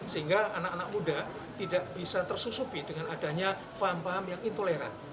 sehingga anak anak muda tidak bisa tersusupi dengan adanya paham paham yang intoleran